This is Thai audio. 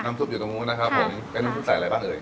ซุปอยู่ตรงนู้นนะครับผมเป็นน้ำซุปใส่อะไรบ้างเอ่ย